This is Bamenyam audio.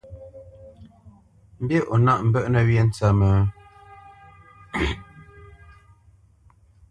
Mbî o nâʼ mbə́ʼnə̄ wyê ntsə́mə́?